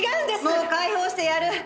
もう解放してやる。